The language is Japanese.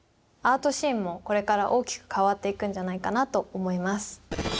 アートシーンもこれから大きく変わっていくんじゃないかなと思います。